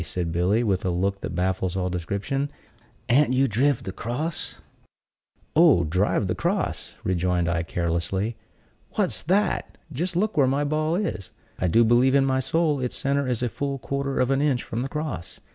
said Billy, with a look that baffles all description, "an't you driv the cross?" "Oh, driv the cross!" rejoined I, carelessly. "What's that! Just look where my ball is! I do believe in my soul its center is a full quarter of an inch from the cross.